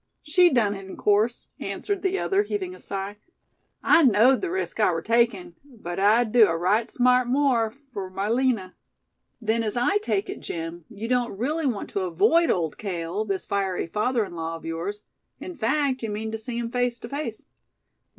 "She done hit, in course," answered the other, heaving a sigh. "I knowed the risk I war takin', but I'd do a right smart more fur my Lina." "Then as I take it, Jim, you don't really want to avoid Old Cale, this fiery father in law of yours; in fact, you mean to see him face to face?"